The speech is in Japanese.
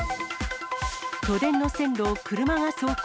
都電の線路を車が走行。